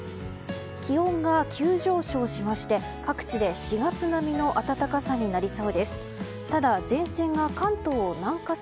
気温が急上昇しまして、各地で４月並みの暖かさになりそうです。